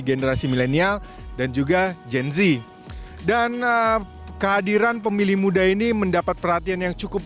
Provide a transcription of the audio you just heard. generasi milenial dan juga gen z dan kehadiran pemilih muda ini mendapat perhatian yang cukup